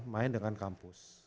main dengan kampus